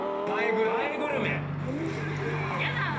映えグルメ。